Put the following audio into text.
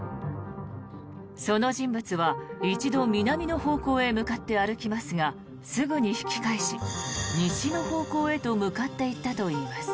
その人物は１度南の方向に向かって歩きますがすぐに引き返し、西の方向へと向かっていったといいます。